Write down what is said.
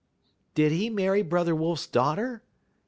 "Did he marry Brother Wolf's daughter?"